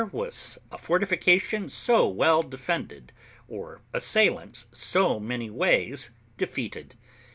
Never was a fortification so well defended, or assailants so many ways defeated.